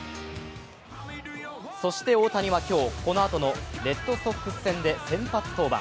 そして大谷は今日、このあとのレッドソックス戦で先発登板。